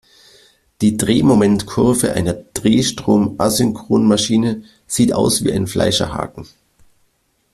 Die Drehmomentkurve einer Drehstrom-Asynchronmaschine sieht aus wie ein Fleischerhaken.